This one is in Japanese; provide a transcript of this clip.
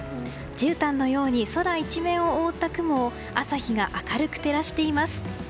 じゅうたんのように空一面を覆った雲を朝日が明るく照らしています。